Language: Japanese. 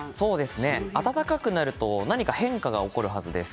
暖かくなると何か変化が起こるはずです。